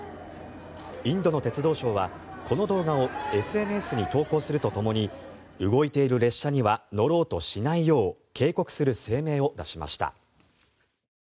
インドの鉄道省はこの動画をＳＮＳに投稿するとともに動いている列車には乗ろうとしないよう警告する声明を出しました。